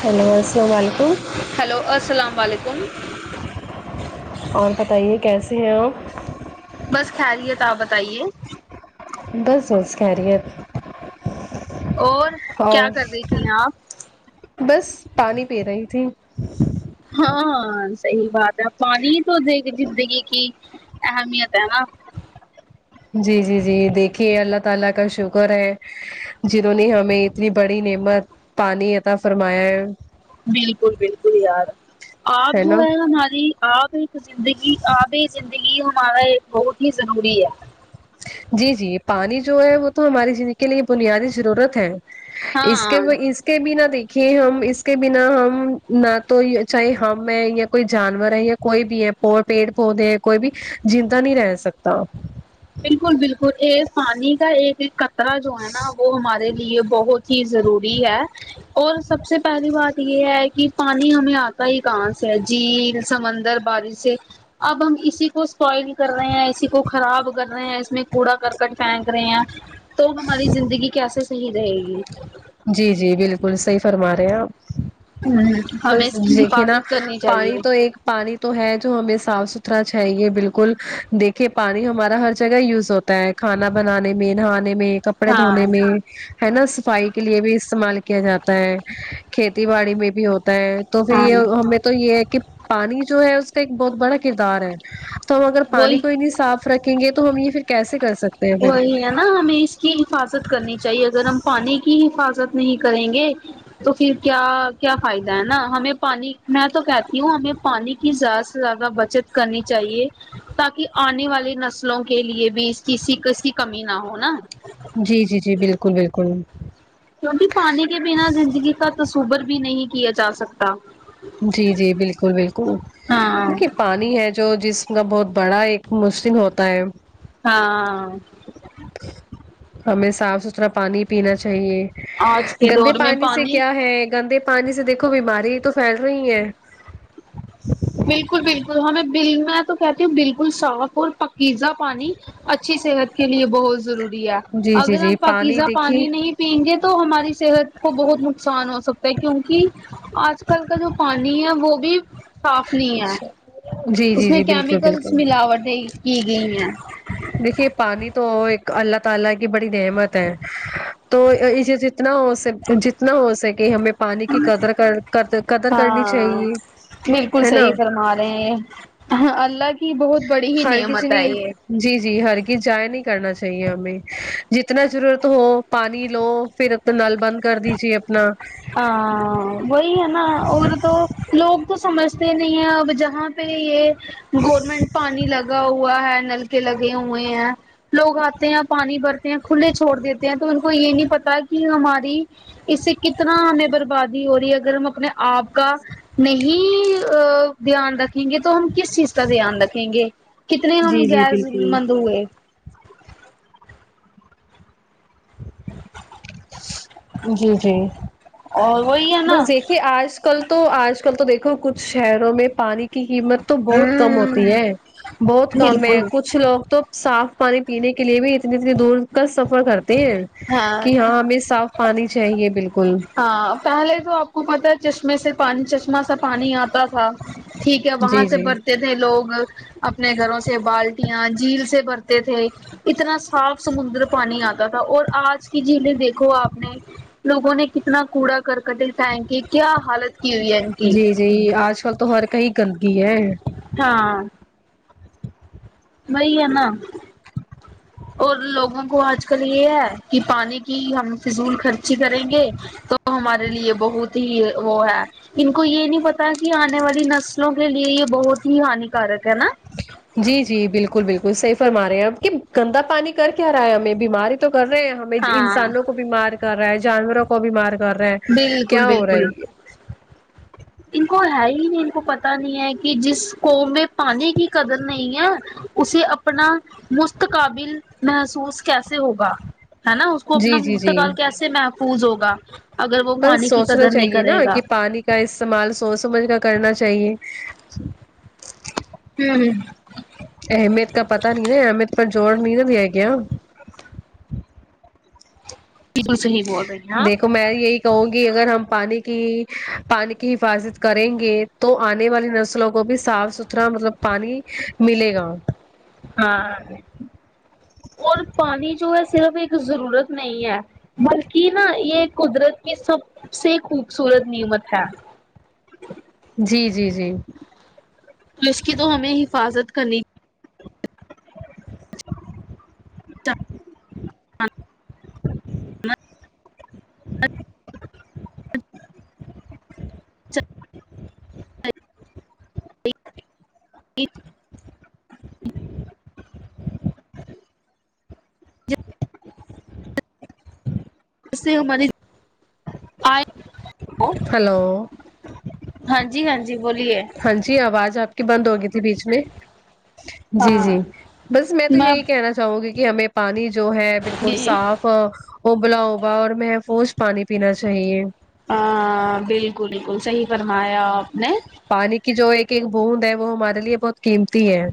hello السلام و علیکم ہیلو السلام وعلیکم اور بتائیے کیسے ہیں آپ بس خیریت آپ بتائیے بس سس خیریت اور اور کیا کر رہی تھی آپ بس پانی پی رہی تھی ہاں صحیح بات ہے پانی ہی تو د زندگی کی اہمیت ہے نا جی جی جی دیکھیے اللہ تعالی کا شکر ہے جنہوں نے ہمیں اتنی بڑی نعمت پانی عطا فرمایا ہے بالکل بالکل یار آپ جو ہے ہماری آب ایک زندگی آب زندگی ہمارا بہت ہی ضروری ہے جی جی پانی جو ہے وہ تو ہماری زندگی کے لیے بنیادی ضرورت ہے اس کے ہاں وہ اس اس کے بنا دیکھیے ہم اس کے بنا ہم نہ تو چاہے ہم ہیں یا کوئی جانور ہے یا کوئی بھی ہے پ پیڑ پودے ہیں کوئی بھی زندہ نہیں رہ سکتا اور یہ پانی کا ایک ایک قطرہ جو ہے نا وہ ہمارے لیے بہت چیز ضروری ہے اور سب سے پہلی بات یہ ہے کہ پانی ہمیں آتا ہی کہاں سے ہے جیل سمندر بارش سے اب ہم اسی کو اسپائل کر رہے ہیں اسی کو خراب کر رہے ہیں اس میں کوڑا کرکٹ پھینک رہے ہیں تو ہماری زندگی کیسے صحیح رہے گی جی جی بالکل صحیح فرما رہے آپ ہمیں بس اس کی دیکھے نا حفاظت کرنی چاہیے پانی تو ایک پانی تو ہے جو ہمیں صاف ستھرا چاہیے بالکل دیکھیے پانی ہمارا ہر جگہ یوز ہوتا ہے کھانا بنانے میں نہانے میں کپڑے ہاں دھونے میں ہے نا صفائی کے لیے بھی استعمال کیا جاتا ہے کھیتی باڑی میں بھی ہو ہوتا ہے تو پھر ہاں یہ ہمیں تو یہ ہے کہ پانی جو ہے اس کا ایک بہت بڑا کردار ہے تو ہم اگر پانی وہی کو انی صاف رکھیں گے تو ہم یہ پھر کیسے کر سکتے ہیں پھر وہی ہے نا ہمیں اس کی حفاظت کرنی چاہیے اگر ہم پانی کی حفاظت نہیں کریں گے تو پھر کیا کیا فائدہ ہے نا ہمیں پانی میں تو کہتی ہوں ہمیں پانی کی زیادہ سے زیادہ بچت کرنی چاہیے تاکہ آنے والے نسلوں کے لیے بھی اس کسی ک کی کمی نہ ہو نا جی جی جی بالکل بالکل کیونکہ پانی کے بنا زندگی کا تصور بھی نہیں کیا جا سکتا جی جی بالکل بالکل ہاں دیکھیے پان نی ہے جو جسم کا بہت بڑا ایک مسلم ہوتا ہے ہاں ہمیں صاف ستھرا پانی پینا چاہیے آج کے گندے دور میں پانی سے کیا ہے گندے پانی سے دیکھو بیماری تو پھیل رہی ہیں بالکل بالکل ہمیں بل میں تو کہتی ہوں بالکل صاف اور پکیزا پانی اچھی صحت کے لیے بہت ضروری ہے جی جی اگر جی ہم پاکیزہ دیکھیے پانی نہیں پئیں گے تو ہماری صحت کو بہت نقصان ہو سکتا ہے کیونکہ آج کل کا جو پانی ہے وہ بھی صاف نہیں ہے اچھا جی اس جی میں جی بالکل کیمیکلس بالکل ملاوٹیں کی گئی ہیں دیکھیے پانی تو ایک اللہ تعالی کی بڑی نعمت ہے تو اسے جتنا ہو س جتنا ہو سکے ہمیں پانی کی قدر کر قدر کرنی ہاں چاہیے ہے نا ہاں اللہ ک ہر کسی نے جی جی ہر گز ضائع نہیں کرنا چاہیے ہمیں جتنا ضرورت ہو پانی لو پھر اب تو نل بن کر دیجیے اپنا ہاں وہی ہے نا اور تو لوگ تو سمجھتے نہیں ہے اب جہاں پہ یہ گورنمنٹ پانی پانی لگا ہوا ہے نلکے لگے ہوئے ہیں لوگ آتے ہیں پانی بھرتے ہیں کھلے چھوڑ دیتے ہیں تو ان کو یہ نہیں پتا کہ ہماری اس سے کتنا ہمیں بربادی ہو رہی ہے اگر ہم اپنے آپ کا نہیں دھیان رکھیں گے تو ہم کس چیز کا دھیان رکھیں گے کتنے ہم جی جی گیس بالکل مند ہوئے جی جی اور وہی ہے نا بس دیکھیے آج کل تو آج کل تو دیکھو کچھ شہروں میں پانی کی قیمت تو بہت کم ہوتی ہ ہے بہت کم ہے بالکل کچھ لوگ تو صاف پانی پینے کے لیے بھی اتنی اتنی دور کا سفر کرتے ہیں کہ ہاں ہمیں صاف پانی چاہیے بالکل ہاں پہلے تو آپ کو پتا ہے چشمے سے پانی چشمہ سا پانی آتا تھا ٹھیک ہے وہاں جی سے جی بڑتے تھے لوگ اپنے گھروں سے بالٹیاں جھیل سے بھرتے تھے اتنا صاف سمندر پانی آتا تھا اور آج کی جلیں دیکھو آپ نے لوگوں نے کتنا کوڑا کرکٹائن پھیک کی کیا حالت کی ہوئی ہے ان کی کی آج کل تو ہر کہی گندگی ہے ہاں وہی ہے نا اور لوگوں کو آج کل یہ ہے کہ پانی کی ہم فضول خرچی کریں گے تو ہمارے لیے بہت ہی وہ ہے ان کو یہ نہیں پتا کہ آنے والی نسلوں کے لیے یہ بہت ہی ہانیکارک ہے نا جی جی بالکل بالکل صحیح فرما رہے ہیں آپ کہ گندا پانی کر کیا رہا ہے ہمیں بیماری تو کر رہے ہیں ہم میں ہاں انسانوں کو بیمار کر رہا ہے جانوروں کو بیمار کر رہا ہے بالکل کیا ہو رہا ہے بالکل یہ ان کو ہے ہی نہیں ان کو پتا نہیں ہے کہ جس کو میں پانی کی قدر نہیں ہے اسے اپنا مستقابل محسوس کیسے ہوگا ہے نا اس کو اپنا جی جی جی مستقال کیسے محفوظ ہوگا اگر وہ بس پانی کی سوچنا قدر نہیں چاہیے نا کرے گا کہ پانی کا استعمال سوچ سمجھ کا کرنا چاہیے ہوں ہمم اہمیت کا پتا نہیں نا احمید پر جوور [unintelligible] بالکل صحیح بول رہی ہیں آپ دیکھو میں یہی کہوں گی اگر ہم پانی کی پانی کی حفاظت کریں گے تو آنے والی نسلوں کو بھی صاف ستھرا مطلب پانی ملے گا ہاں اور پانی جو ہے صرف ایک ضرورت نہیں ہے بلکہ نا یہ قدرت کی سب سے خوبصورت نعمت ہے جی جی جی پ اس کی تو ہمیں حفاظت کرنی [inaudible] چاہیے جس ج سے ہماری آئے ہو ہیلو ہاں جی ہاں جی بولیے ہاں جی آواز آپ کی بند ہوگی تھی بیچ میں جی ہاں جی بس میں تو یہی کہنا چاہو گی کہ ہمیں پانی جو ہے بالکل جی صاف ابلا اوبا اور محفوظ پانی پینا چاہیے ہاں بالکل بالکل صحیح فرمایا آپ نے پانی کی جو ایک ایک بوند ہے وہ ہمارے لیے بہت قیمتی ہے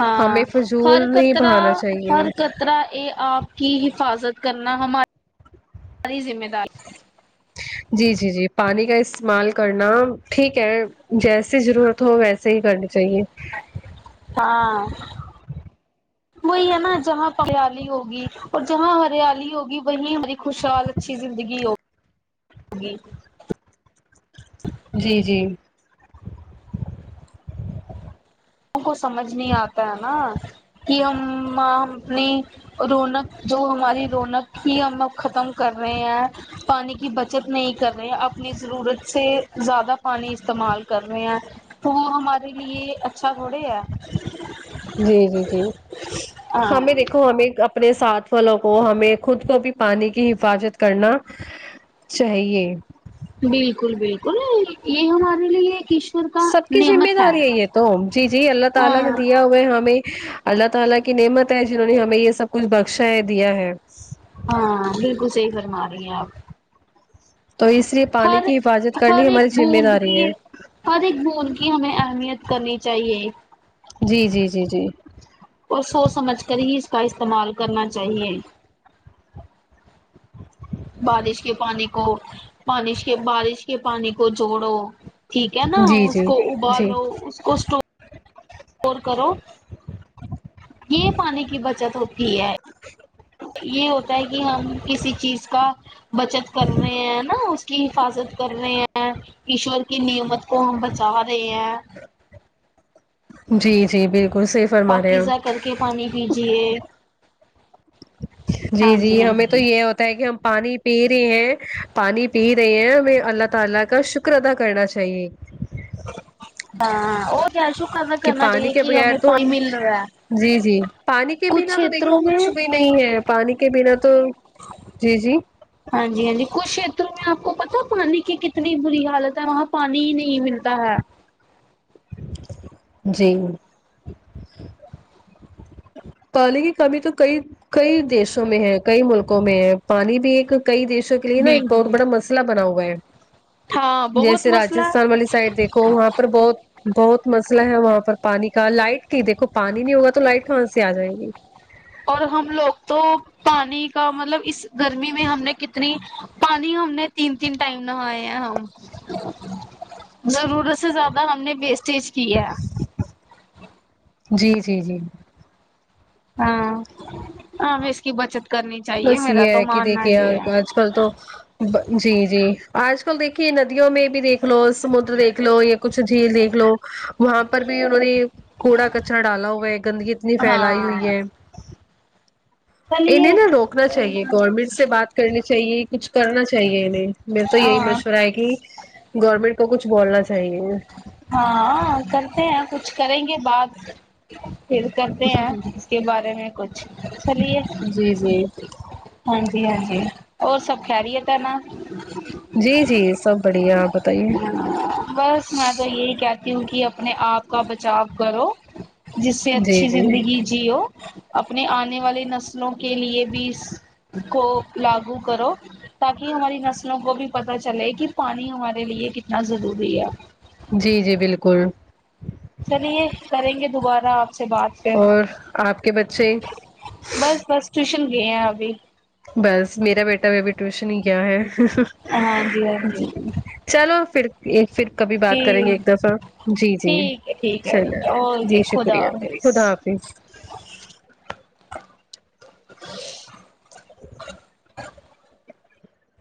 ہاں ہمیں ہر فضول نہیں قطرا بہانا چاہیے ہر قطرا یہ آپ کی حفاظت کرنا ہماری ذمہ داری جی جی جی پانی کا استعمال کرنا ٹھیک ہے جیسے ضرورت تو ویسے ہی کرنی چاہیے ہاں وہی ہے نا جہاں پیالی ہوگی اور جہاں ہریالی ہوگی وہیں ہماری خوشحال اچھی زندگی ہوگی ہوگی جی جی ہم کو سمجھ نہیں آتا ہے نا کہ ہم مامنے رونق جو ہماری رونق تھی ہم وہ ختم کر رہے ہیں پانی کی بچت نہیں کر رے ہیں اپنی ضرورت سے زیادہ پانی استعمال کر رہے ہیں تو وہ ہمارے لیے اچھا تھوڑی ہے جی جی جی ہاں ہمہیں دیکھ کو ہمیں اپنے ساتھ والوں کو ہمیں خود کو بھی پانی کی حفاظت کرنا چاہیے بالکل بالکل یہ ہمارے لیے کش سب کی ذمہ داری ہے یہ تو جی جی اللہ تعالی ہاں نے دیا ہمیں اللہ تعالی کی نعمت ہے جنہوں نے ہمیں یہ سب کچھ بخشا ہے دیا ہے ہاں بالکل صحیح فرما رہی ہیں آپ تو اس لیے پانی ہر کی حفاظت ہر کرنی ہماری ایک ذمہ بوند داری کی ہے ہر ایک بوند کی ہمیں اہمیت کرنی چاہیے جی جی جی جی اور سوچ سمجھ کر ہی اس کا استعمال کرنا چاہیے [inaudible] بارش کے پانی کو بش کے بارش کے پانی کو جوڑو ٹھیک ہے نا جی اس جی کو جی ابالو اس کو اسٹور کرو یہ پانی کی بچت ہوتی ہے یہ ہوتا ہے کہ ہم کسی چیز کا بچت کر رہے ہیں نا اس کی حفاظت کر رہے ہیں ایشور کی نعمت کو ہم بچا رہے ہیں جی جی بالکل صحیح فرمارے ہیں آپ کیجیے جی جی ہمیں تو یہ ہو تا ہے کہ ہم پانی پی رہے ہیں پانی پی رہے ہیں ہمیں اللہ تعالی کا شکر ادا کرنا چاہیے ہاں اور کیا شکر ادا کہ کرنا پانی چاہیے کے کہ بغیر ہمیں تو پانی ہم مل رہا ہے جی جی پانی کے کچھ بنا تو دیکھو چھیتروں میں کچھ بھی نہیں ہے پانی کے بنا تو جی جی ہاں جی ہاں جی کچھ شیتروں میں آپ کو پتا پانی کی کتنی بری حالت ہے وہاں پانی ہی نہیں ملتا ہے جی پانی کی کمی تو کئی کئی دیشوں میں ہے کئی ملکوں میں ہے پانی بھی ایک کئی دیشوں لیے نا ایک بالکل بہت بڑا مسئلہ بنا ہوا ہے بالکل ہاں بہت جیسے مسئلہ راجستان ہے والی سائڈ دیکھ کو وہاں پر بہت بہت مسئلہ ہے وہاں پر پانی کا لائٹ کی دیکھو پانی نہیں ہوگا تو لائٹ کہاں س سے آ جائے گی اور ہم لوگ تو پانی کا مطلب اس گرمی میں ہم نے کتنی پانی ہم نے تین تین ٹائم نہاۓ اے ہم ضرورت سے زیادہ ہم نے ویسٹیج کی ہے جی جی جی ہاں ہاں ہمیں اس کی بچت کرنی چاہیے بس میرا یہ تو ہے کہ ماننا دیکھیے یہ ہے آج کل تو جی جی آج کل دیکھیے ندیوں میں بھی دیکھ لو سمندر دیکھ لو یا کچھ جھیل دیکھ لو وہاں پر بھی انہوں نے کوڑا کچرا ڈالا ہوا ہے گندگی اتنی فیلائی ہوئی ہاں ہے انہیں چلیے نا روکنا چاہیے گورنمنٹ سے بات کرنی چاہیے کچھ کرنا چاہیے انہیں میرا تو یہی ہاں مشورہ ہے کی گورنمنٹ کو کچھ بولنا چاہیے ہاں کرتے ہیں کچھ کریں گے بات پھر کرتے ہیں اس کے بارے میں کچھ چلیے جی جی ہاں جی ہاں جی اور سب خیریت ہے نا جی جی سب بڑھیا آپ بتائیے بس میں تو یہی کہتی ہوں کی اپنے آپ کا بچاؤ کرو جس سے جی اچھی جی زندگی جیو اپنے آنے والی نسلوں کے لیے بھیس کو لاگو کرو تاکہ ہماری نسلوں کو بھی پتا چلے کہ پانی ہما رے لیے کتنا ضروری ہے جی جی بالکل چلیے کریں گے دوبارہ آپ سے بات پھر اور آپ کے بچے بس بس ٹیوشن گئے ہیں ابھی بس میرا بیٹا بھی ابھی ٹیوشن ہی گیا ہے ہاں ہاں جی چلو پھر ایک پھر کبھی بات جی کریں گے ایک دفعہ جی جی ٹھیک ٹھیک ہے ٹھیک ہے چلیں جی اوکے خدا شکریہ حافظ خدا حافظ